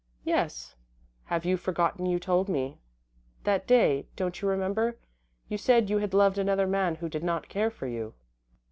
"Yes. Have you forgotten you told me? That day, don't you remember, you said you had loved another man who did not care for you?"